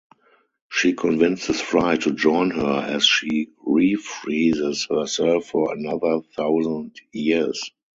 She convinces Fry to join her as she re-freezes herself for another thousand years.